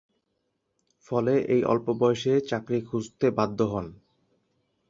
ফলে এই অল্প বয়সে চাকরি খুঁজতে বাধ্য হন।